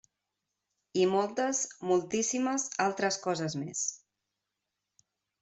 I moltes, moltíssimes altres coses més!